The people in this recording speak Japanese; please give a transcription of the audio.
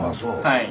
はい。